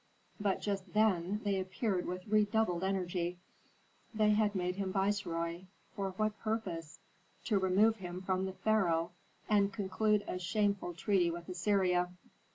But just then they appeared with redoubled energy. They had made him viceroy; for what purpose? to remove him from the pharaoh, and conclude a shameful treaty with Assyria.